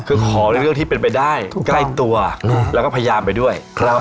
คือขอในเรื่องที่เป็นไปได้ใกล้ตัวแล้วก็พยายามไปด้วย